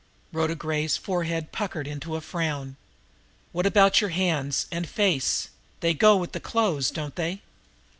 Rhoda Gray's forehead puckered into a frown. "What about your hands and face they go with the clothes, don't they?"